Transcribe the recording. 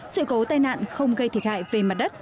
sự cố tai nạn không gây thiệt hại về mặt đất